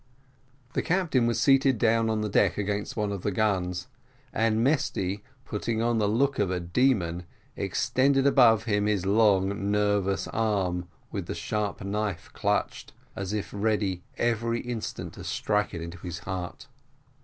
The captain was seated down on the deck against one of the guns, and Mesty, putting on the look of a demon, extended above him his long nervous arm, with the sharp knife clutched, as if ready every instant to strike it into his heart.